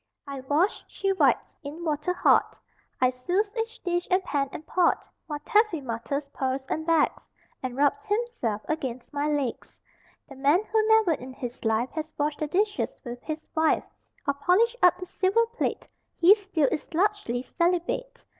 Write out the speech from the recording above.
I wash, She wipes. In water hot I souse each dish and pan and pot; While Taffy mutters, purrs, and begs, And rubs himself against my legs. The man who never in his life Has washed the dishes with his wife Or polished up the silver plate He still is largely celibate.